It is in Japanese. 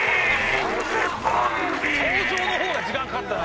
登場の方が時間かかったな。